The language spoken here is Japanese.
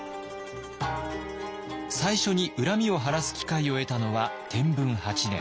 最初に恨みを晴らす機会を得たのは天文８年。